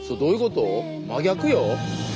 真逆よ。